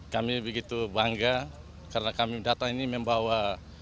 kami begitu bangga karena kami datang ini membawa